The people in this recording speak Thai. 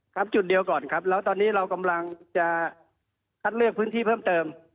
จุดเดียวก่อนครับแล้วตอนนี้เรากำลังจะคัดเลือกพื้นที่เพิ่มเติม